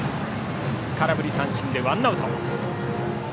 空振り三振でワンアウト。